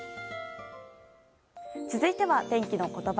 続いては、天気のことば。